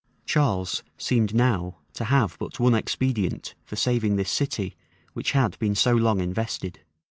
[*] Charles seemed now to have but one expedient for saving this city, which had been so long invested.